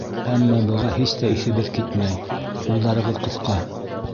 Әммә быға һис тә иҫебеҙ китмәй, ҡулдарығыҙ ҡыҫҡа!